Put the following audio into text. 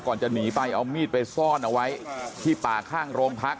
จะหนีไปเอามีดไปซ่อนเอาไว้ที่ป่าข้างโรงพัก